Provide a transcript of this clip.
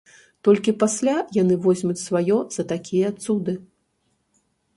Толькі пасля яны возьмуць сваё за такія цуды.